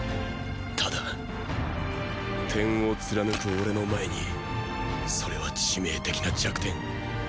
ただーー点を貫く俺の前にそれは致命的な弱点。